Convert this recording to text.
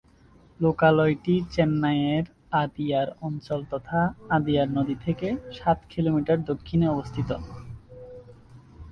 লোকালয়টি চেন্নাইয়ের আদিয়ার অঞ্চল তথা আদিয়ার নদী থেকে সাত কিলোমিটার দক্ষিণে অবস্থিত।